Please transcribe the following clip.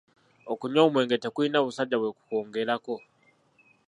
Okunywa omwenge tekulina busajja bwekukwongerako.